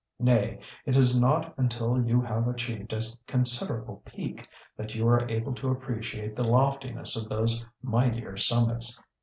Nay, it is not until you have achieved a considerable peak that you are able to appreciate the loftiness of those mightier summits.